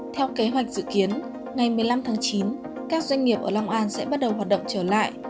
theo kế hoạch dự kiến ngày một mươi năm tháng chín các doanh nghiệp ở long an sẽ bắt đầu hoạt động trở lại